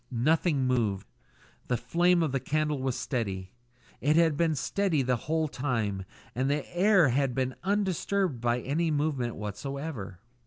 Nothing moved. The flame of the candle was steady. It had been steady the whole time, and the air had been undisturbed by any movement whatsoever.